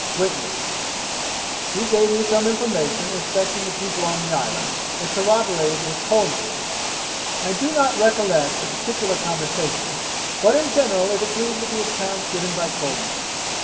Witness 'He gave me some information respecting the people on the island, that corroborated with Coleman's. I do not recollect the particular conversation, but in general it agreed with the account given by Coleman.'